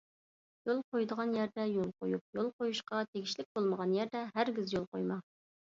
يول قويىدىغان يەردە يول قويۇپ، يول قويۇشقا تېگىشلىك بولمىغان يەردە ھەرگىز يول قويماڭ.